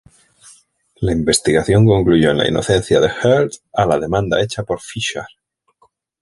La investigación concluyó en la inocencia de Hurd a la demanda hecha por Fisher.